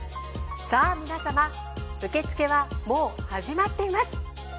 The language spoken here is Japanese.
さあ皆様受付はもう始まっています。